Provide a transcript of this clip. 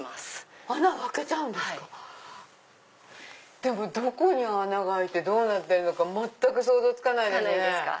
でもどこに穴が開いてどうなってるのか全く想像つかないですね。